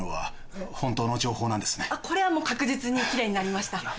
これはもう確実に奇麗になりました。